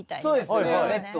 そうですね